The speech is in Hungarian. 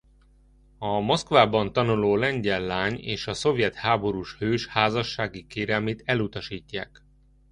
A Moszkvában tanuló lengyel lány és a szovjet háborús hős házassági kérelmét elutasítják.